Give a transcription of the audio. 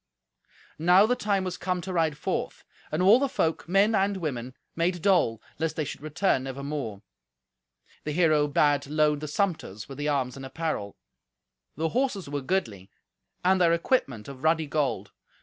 Now the time was come to ride forth, and all the folk, men and women, made dole, lest they should return never more. The hero bade load the sumpters with the arms and apparel. The horses were goodly, and their equipment of ruddy gold.